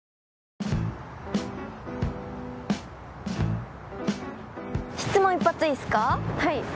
はい。